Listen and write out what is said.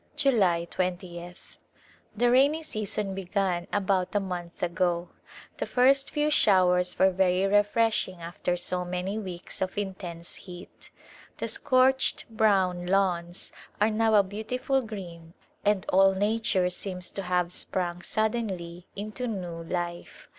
July 20th, The rainy season began about a month ago. The first few showers were very refreshing after so many weeks of intense heat. The scorched brown lawns are now a beautiful green and all nature seems to have sprung suddenly into new life.